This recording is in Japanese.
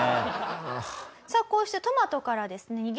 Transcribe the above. さあこうしてトマトからですね